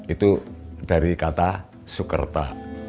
itu dari kata soekerta